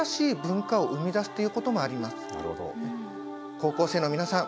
高校生の皆さん